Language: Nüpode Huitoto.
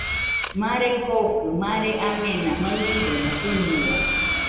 Mare kookɨ mare amena maɨridena fɨnua.